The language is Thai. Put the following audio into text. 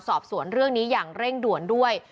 สอบสวนเรื่องนี้อย่างเร่งด่วนด้วย